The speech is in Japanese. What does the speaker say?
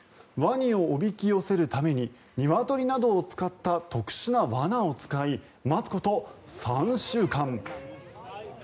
ワニをおびき寄せるためにニワトリなどを使った特殊な罠を使い待つこと３週間。